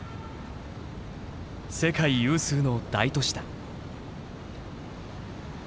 世界有数の大都市だ。